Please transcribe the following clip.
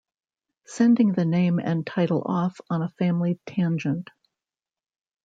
Sending the name and title off on a family tangent.